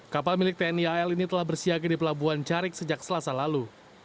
kapal milik tni al ini telah bersiaga di pelabuhan carik sejak selasa lalu